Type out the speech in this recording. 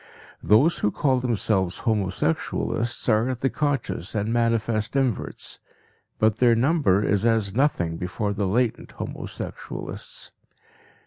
Those who call themselves homosexualists are the conscious and manifest inverts, but their number is as nothing before the latent homosexualists.